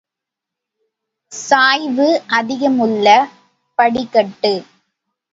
சாய்வு அதிகமுள்ள படிக்கட்டு.